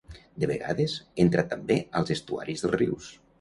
De vegades, entra també als estuaris dels rius.